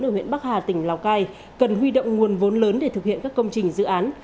ở huyện bắc hà tỉnh lào cai cần huy động nguồn vốn lớn để thực hiện các công trình dự án